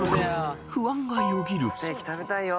［不安がよぎる］